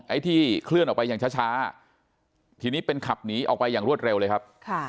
ไอ้ที่เคลื่อนออกไปอย่างช้าทีนี้เป็นขับหนีออกไปอย่างรวดเร็วเลยครับ